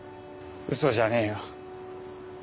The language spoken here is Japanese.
嘘じゃねえよ。